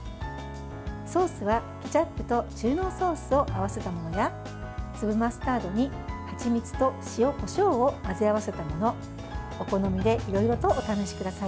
ソースはケチャップと中濃ソースを合わせたものや粒マスタードに、はちみつと塩、こしょうを混ぜ合わせたものお好みでいろいろとお試しください。